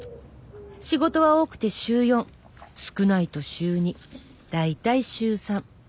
仕事は多くて週４少ないと週２大体週３。